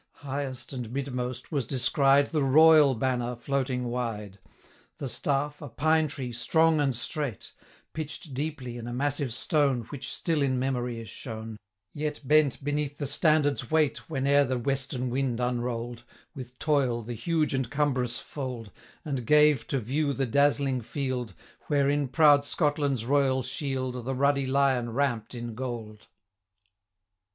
Highest, and midmost, was descried The royal banner floating wide; The staff, a pine tree, strong and straight, 570 Pitch'd deeply in a massive stone, Which still in memory is shown, Yet bent beneath the standard's weight Whene'er the western wind unroll'd, With toil, the huge and cumbrous fold, 575 And gave to view the dazzling field, Where, in proud Scotland's royal shield, The ruddy lion ramp'd in gold.